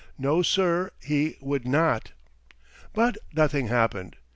No, sir, he would not. But nothing happened!